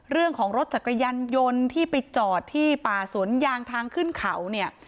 รถจักรยานยนต์ที่ไปจอดที่ป่าสวนยางทางขึ้นเขาเนี่ย